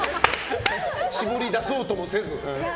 絞り出そうともせず。